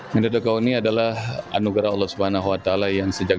medan kauni adalah anugerah allah swt yang sejak